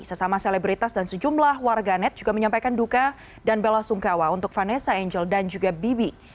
sesama selebritas dan sejumlah warganet juga menyampaikan duka dan bela sungkawa untuk vanessa angel dan juga bibi